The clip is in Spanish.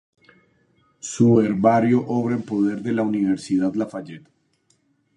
Su herbario obra en poder de la universidad Lafayette.